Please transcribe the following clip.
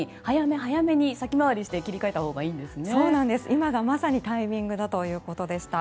今がまさにタイミングだということでした。